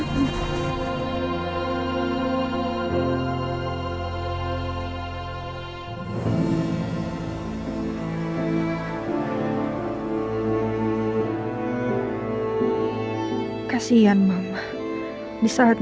mama pasti kondisi mama jadi kayak gini